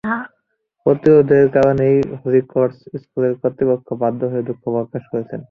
প্রতিরোধের কারণেই Holy Cross School কর্তৃপক্ষ বাধ্য হয়েছে দুঃখ প্রকাশ করতে।